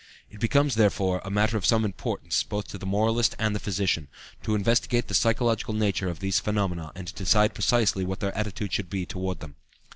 It becomes, therefore, a matter of some importance, both to the moralist and the physician, to investigate the psychological nature of these phenomena and to decide precisely what their attitude should be toward them.